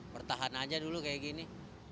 bertahan aja dulu kayak gini